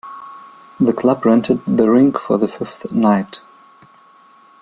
The club rented the rink for the fifth night.